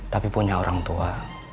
tapi punya orang tua